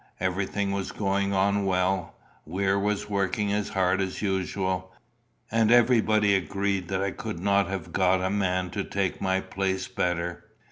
Everything was going on well. Weir was working as hard as usual; and everybody agreed that I could not have got a man to take my place better.